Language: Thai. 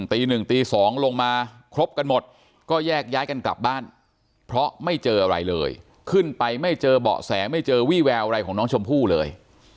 ตีหนึ่งตี๒ลงมาครบกันหมดก็แยกย้ายกันกลับบ้านเพราะไม่เจออะไรเลยขึ้นไปไม่เจอเบาะแสไม่เจอวี่แววอะไรของน้องชมพู่เลย